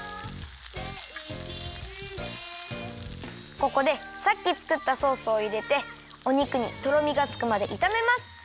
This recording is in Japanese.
ここでさっきつくったソースをいれてお肉にとろみがつくまでいためます。